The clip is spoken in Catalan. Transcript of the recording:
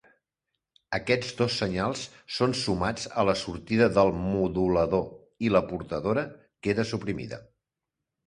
Aquests dos senyals són sumats a la sortida del modulador i la portadora queda suprimida.